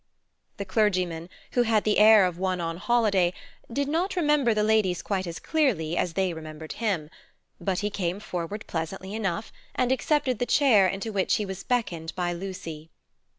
The clergyman, who had the air of one on a holiday, did not remember the ladies quite as clearly as they remembered him. But he came forward pleasantly enough and accepted the chair into which he was beckoned by Lucy.